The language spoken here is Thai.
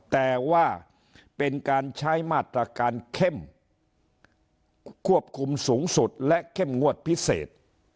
แต่ว่าเป็นการใช้มาตรการเข้มควบคุมสูงสุดและเข้มงวดพิเศษ